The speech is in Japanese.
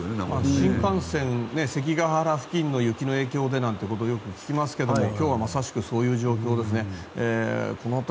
新幹線、関ケ原付近の雪の影響でということをよく聞きますけれど今日はまさしくそういう状況ですよね。